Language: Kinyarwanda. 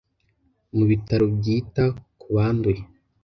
mu bitaro byita ku banduye.